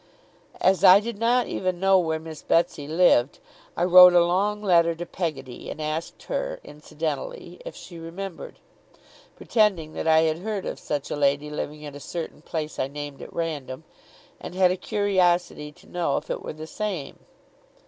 As I did not even know where Miss Betsey lived, I wrote a long letter to Peggotty, and asked her, incidentally, if she remembered; pretending that I had heard of such a lady living at a certain place I named at random, and had a curiosity to know if it were the same.